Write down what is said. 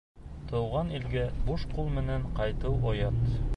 Тыуған илгә буш ҡул менән ҡайтыу оят.